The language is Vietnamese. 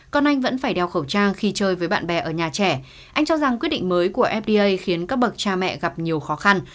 con anh vẫn phải đeo khẩu trang khi chơi với bạn bè ở nhà trẻ anh cho rằng quyết định mới của fda khiến các bậc cha mẹ gặp nhiều khó khăn